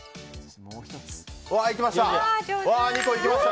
２個いきました。